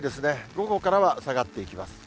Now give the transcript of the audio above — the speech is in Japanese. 午後からは下がっていきます。